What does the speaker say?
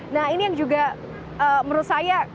nah ini yang juga menurut saya